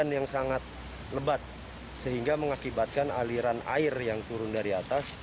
hujan yang sangat lebat sehingga mengakibatkan aliran air yang turun dari atas